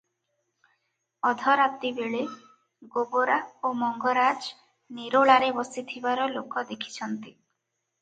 ଅଧରାତିବେଳେ ଗୋବରା ଓ ମଙ୍ଗରାଜ ନିରୋଳାରେ ବସିଥିବାର ଲୋକ ଦେଖିଛନ୍ତି ।